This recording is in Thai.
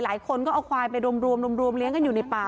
หลายคนก็เอาควายไปรวมเลี้ยงกันอยู่ในป่า